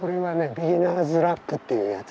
ビギナーズラックっていうやつ。